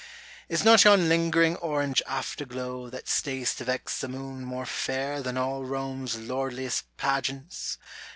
Is not yon lingering orange afterglow That stays to vex the moon more fair than all Rome's lordliest pageants